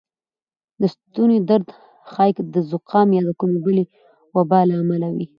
د ستونې درد ښایې د زکام یا کومې بلې وبا له امله وې